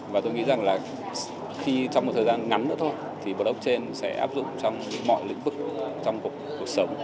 và tôi nghĩ rằng là khi trong một thời gian ngắn nữa thôi thì blockchain sẽ áp dụng trong mọi lĩnh vực trong cuộc sống